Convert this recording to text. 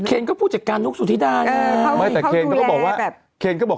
เคนก็ผู้จัดการลูกสุดที่ดายเออไม่แต่เคนก็บอกว่าแบบเคนก็บอก